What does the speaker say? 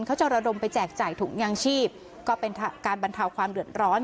เขาจะระดมไปแจกจ่ายถุงยางชีพก็เป็นการบรรเทาความเดือดร้อน